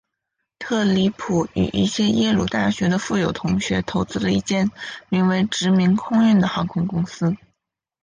特里普与一些耶鲁大学的富有同学投资了一间名为殖民空运的航空公司。